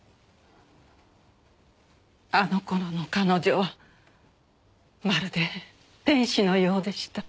あの頃の彼女はまるで天使のようでした。